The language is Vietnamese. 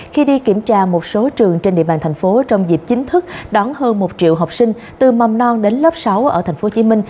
khi đi kiểm tra một số trường trên địa bàn thành phố trong dịp chính thức đón hơn một triệu học sinh từ mầm non đến lớp sáu ở tp hcm